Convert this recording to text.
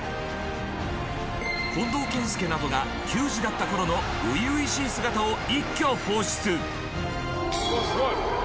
近藤健介などが球児だった頃の初々しい姿を一挙放出。